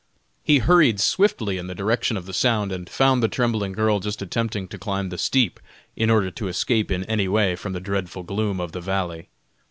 He hurried swiftly in the direction of the sound, and found the trembling girl just attempting to climb the steep, in order to escape in any way from the dreadful gloom of the valley.